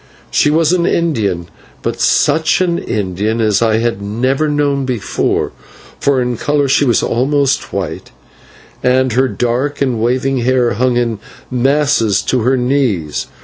She was an Indian, but such an Indian as I had never known before, for in colour she was almost white, and her dark and waving hair hung in masses to her knees.